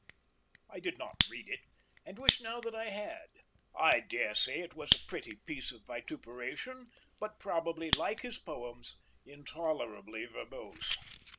I did not read it, and wish now that I had. I daresay it was a pretty piece of vituperation, but probably, like his poems, intolerably verbose.